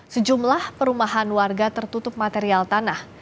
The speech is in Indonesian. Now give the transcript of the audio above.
sejumlah perumahan warga tertutup material tanah